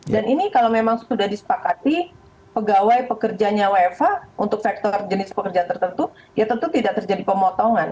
dan ini kalau memang sudah disepakati pegawai pekerjanya wfa untuk sektor jenis pekerjaan tertentu ya tentu tidak terjadi pemotongan